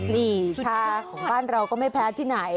นี่ชาของบ้านเราก็ไม่แพ้ที่ไหน